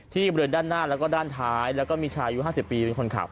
บริเวณด้านหน้าแล้วก็ด้านท้ายแล้วก็มีชายอายุ๕๐ปีเป็นคนขับ